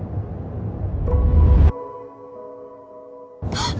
あっ。